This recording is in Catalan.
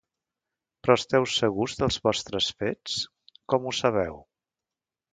Però esteu segurs dels vostres fets? Com ho sabeu?